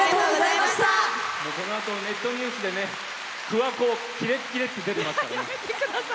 このあとネットニュースで桑子キレキレって出てますからね。